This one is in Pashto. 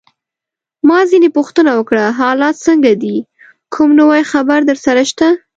ما ځینې پوښتنه وکړه: حالات څنګه دي؟ کوم نوی خبر درسره شته؟